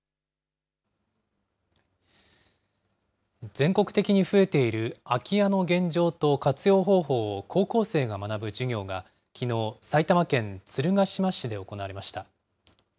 全国的に増えている空き家の現状と活用方法を高校生が学ぶ授業がきのう、埼玉県鶴ヶ島市で行われました。